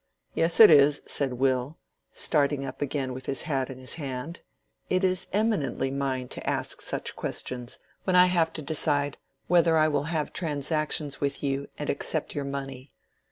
"Yes, it is," said Will, starting up again with his hat in his hand. "It is eminently mine to ask such questions, when I have to decide whether I will have transactions with you and accept your money.